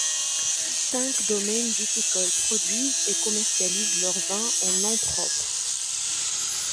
Cinq domaines viticoles produisent et commercialisent leurs vins en nom propre.